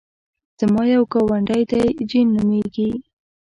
زما یو ګاونډی دی جین نومېږي.